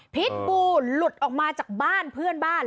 พิษบูหลุดออกมาจากบ้านเพื่อนบ้าน